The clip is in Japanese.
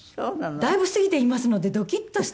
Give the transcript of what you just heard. だいぶ過ぎていますのでドキッとしたんですね。